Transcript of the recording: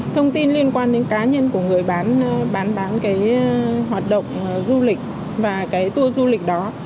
thông tin liên quan đến cá nhân của người bán bán cái hoạt động du lịch và cái tour du lịch đó